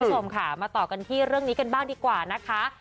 คุณผู้ชมค่ะมาต่อกันที่เรื่องนี้กันบ้างดีกว่านะคะ